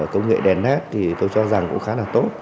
công nghệ đèn net thì tôi cho rằng cũng khá là tốt